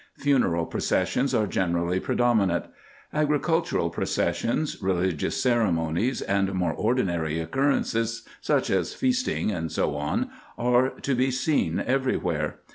Funeral processions are generally predo minant. Agricultural processes, religious ceremonies, and more ordinary occurrences, such as feasting, &c. are to be seen every where.